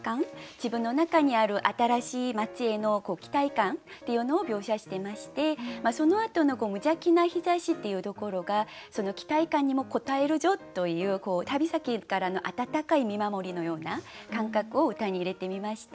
自分の中にある新しいまちへの期待感っていうのを描写してましてそのあとの「無邪気な日差し」っていうところがその期待感にも応えるぞという旅先からの温かい見守りのような感覚を歌に入れてみました。